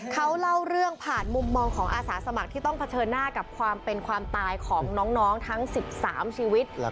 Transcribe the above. เขาเล่าเรื่องผ่านมุมมองของอาสาสมัครที่ต้องเผชิญหน้ากับความเป็นความตายของน้องทั้ง๑๓ชีวิต